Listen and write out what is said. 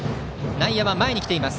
内野は前に来ています。